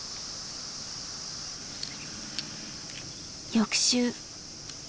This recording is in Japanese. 翌週。